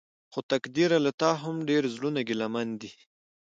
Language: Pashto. خو تقديره له تا هم ډېر زړونه ګيلمن دي.